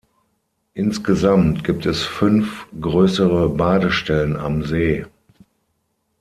Insgesamt gibt es fünf größere Badestellen am See.